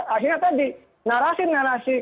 akhirnya tadi narasi narasi